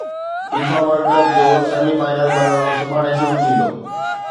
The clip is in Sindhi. فيفا ورلڊ ڪپ جو سيمي فائنل مرحلو سڀاڻي شروع ٿيندو